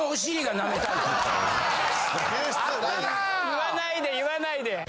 言わないで言わないで。